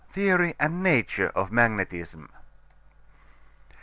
THEORY AND NATURE OF MAGNETISM.